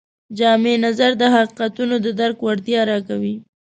جامع نظر د حقیقتونو د درک وړتیا راکوي.